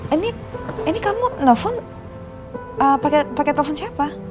ini ini kamu nelfon pake pake telepon siapa